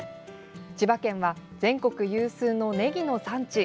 千葉県は全国有数のねぎの産地。